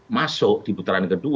masuk di putaran ke dua